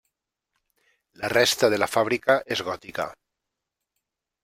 La resta de la fàbrica és gòtica.